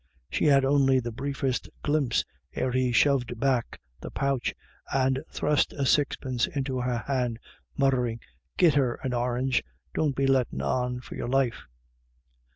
' She had only the briefest glimpse ere he shoved back the pouch and thrust a sixpence into her hand, muttering, " Git her the orange — don't be lettin' on, for your life."